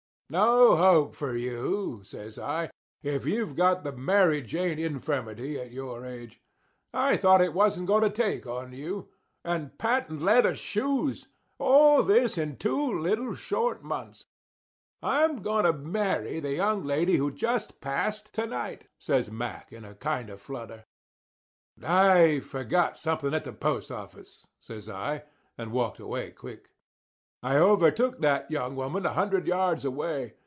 "No hope for you," says I, "if you've got the Mary Jane infirmity at your age. I thought it wasn't going to take on you. And patent leather shoes! All this in two little short months!" "I'm going to marry the young lady who just passed to night," says Mack, in a kind of flutter. "I forgot something at the post office," says I, and walked away quick. I overtook that young woman a hundred yards away.